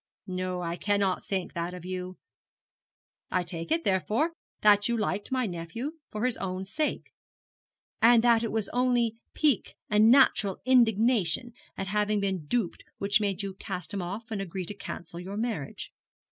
No, I cannot think that of you. I take it, therefore, that you liked my nephew for his own sake; and that it was only pique and natural indignation at having been duped which made you cast him off and agree to cancel your marriage.